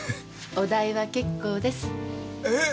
お代は結構です。え！？